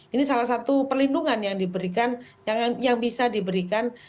ini salah satu perlindungan yang diberikan yang bisa diberikan